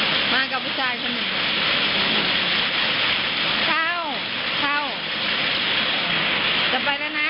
วันเห็นน้องชมพูมาบอกว่ามากับผู้ชายคนนี้